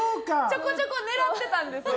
ちょこちょこ狙ってたんですよ。